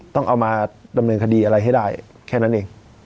ต้องเอามาดำเนินคดีอะไรให้ได้แค่นั้นเอง